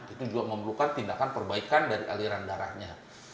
itu juga memerlukan tindakan perbaikan dari aliran darahnya